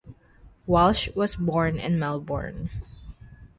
Walsh was born in Melbourne.